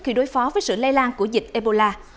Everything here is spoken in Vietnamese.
khi đối phó với sự lây lan của dịch ebola